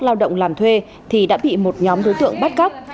lao động làm thuê thì đã bị một nhóm đối tượng bắt cóc